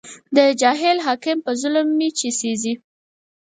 د جاهل حاکم په ظلم مې چې سېزې